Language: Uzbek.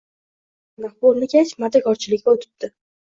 Undan bir naf bo‘lmag‘ach, mardikorchilikka o‘tibdi